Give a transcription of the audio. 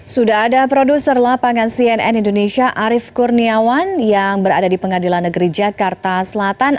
sudah ada produser lapangan cnn indonesia arief kurniawan yang berada di pengadilan negeri jakarta selatan